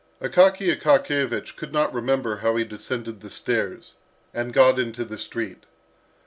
Akaky Akakiyevich could not remember how he descended the stairs, and got into the street.